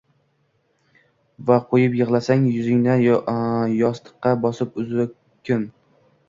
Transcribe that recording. va toʼyib yigʼlasang yuzingni yostiqqa bosib uzzukun